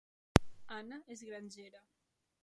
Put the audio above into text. Anna és grangera